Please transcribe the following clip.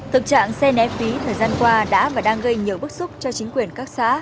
thực trạng xe né phí thời gian qua đã và đang gây nhiều bức xúc cho chính quyền các xã